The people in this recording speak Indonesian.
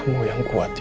kamu yang kuat ya